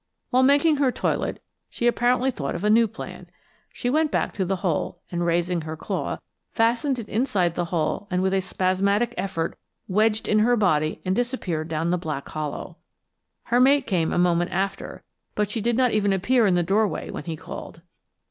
While making her toilet she apparently thought of a new plan. She went back to the hole and, raising her claw, fastened it inside the hole and with a spasmodic effort wedged in her body and disappeared down the black hollow. Her mate came a moment after, but she did not even appear in the doorway when he called.